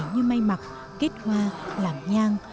như may mặc kết hoa làm nhang